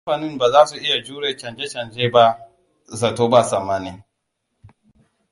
Kamfanin ba za su iya jure canje-canje ba zato ba tsammani.